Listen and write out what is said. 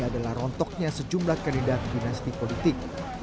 adalah rontoknya sejumlah kandidat dinasti politik